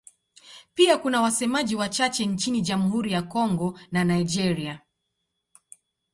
Pia kuna wasemaji wachache nchini Jamhuri ya Kongo na Nigeria.